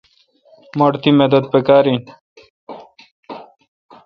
مٹھ تی مدد پکار این۔